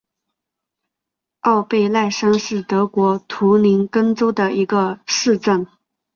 奥贝赖森是德国图林根州的一个市镇。